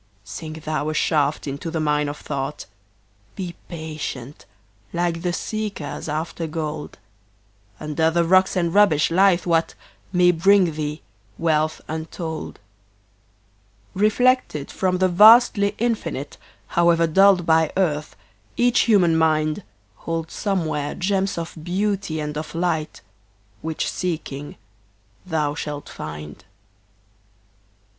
Sink thou a shaft into the mine of thought; Be patient, like the seekers after gold; Under the rocks and rubbish lieth what May bring thee wealth untold. Reflected from the vasty Infinite, However dulled by earth, each human mind Holds somewhere gems of beauty and of light Which, seeking, thou shalt find.